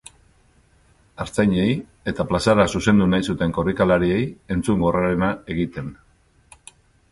Artzainei eta plazara zuzendu nahi zuten korrikalariei entzungorrarena egiten.